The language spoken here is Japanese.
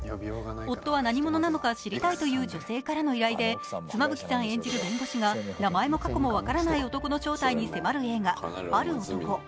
夫は何者なのか知りたいという女性からの依頼で、妻夫木さん演じる弁護士が、名前も過去も分からない男の正体に迫る映画ある男